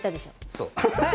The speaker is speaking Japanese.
そう。